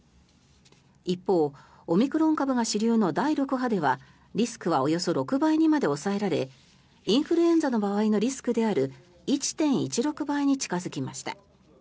一方、オミクロン株が主流の第６波ではリスクはおよそ６倍にまで抑えられインフルエンザの場合のリスクである１．１６倍に近付きました。